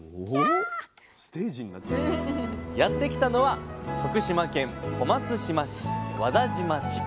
やって来たのは徳島県小松島市和田島地区。